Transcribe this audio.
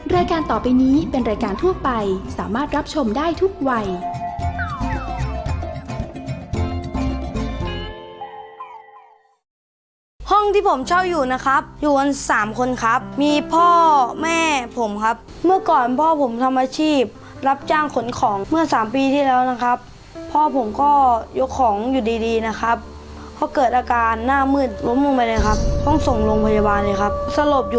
รายการต่อไปนี้เป็นรายการทั่วไปสามารถรับชมได้ทุกวัย